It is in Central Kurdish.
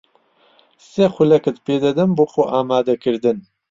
سی خولەکت پێ دەدەم بۆ خۆئامادەکردن.